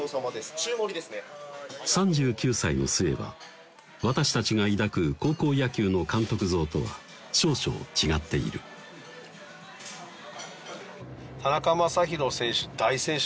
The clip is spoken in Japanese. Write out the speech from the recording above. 中盛りですね３９歳の須江は私たちが抱く高校野球の監督像とは少々違っている田中将大選手